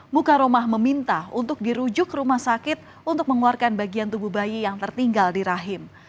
mukaromah meminta untuk dirujuk ke rumah sakit untuk mengeluarkan bagian tubuh bayi yang tertinggal di rahim